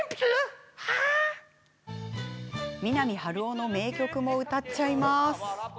三波春夫の名曲も歌っちゃいます。